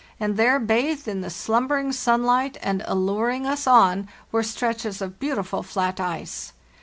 and there, bathed in the slumbering sun light and alluring us on, were stretches of beautiful flat ice.